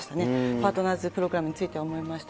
パートナーズ・プログラムについては思いました。